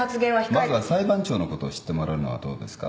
まずは裁判長のことを知ってもらうのはどうですか？